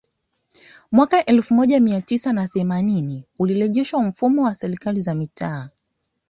Mwaka elfu moja mia tisa na themanini ulirejeshwa mfumo wa Serikali za Mitaa